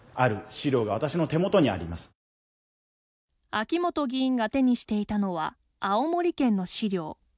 秋本議員が手にしていたのは青森県の資料。